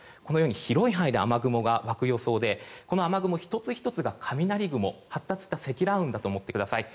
広い範囲で雨雲が湧く予想でこの雨雲１つ１つが雷雲、発達した積乱雲だと思っていてください。